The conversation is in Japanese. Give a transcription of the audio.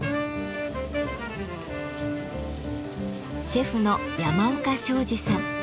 シェフの山岡昌治さん。